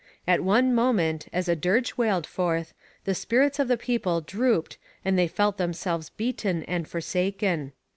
At one moment, as a dirge wailed forth, the spirits of the people drooped and they felt themselves beaten and forsaken.